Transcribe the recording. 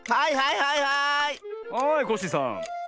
はいコッシーさん。